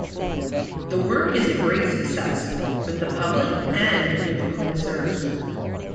The work is a great success -- with the public and with the connoisseurs.